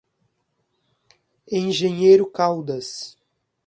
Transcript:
Engenheiro Caldas